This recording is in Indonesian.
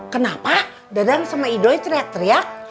kenapa dadang sama idoi teriak teriak